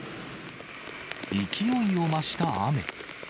勢いを増した雨。